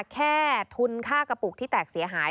แค่ทุนค่ากระปุกที่แตกเสียหาย